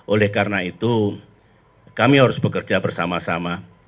oleh karena itu kami harus bekerja bersama sama